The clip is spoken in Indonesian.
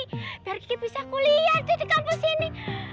supaya kiki bisa kuliah di kampus ini